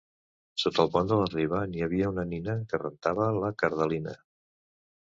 Sota el pont de la Riba n'hi havia una nina que rentava la «cardelina».